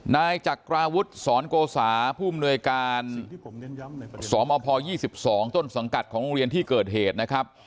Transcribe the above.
นายจักราวุฒิสอนโกสาผู้อำนวยการสมพ๒๒ต้นสังกัดของโรงเรียนที่เกิดเหตุนะครับ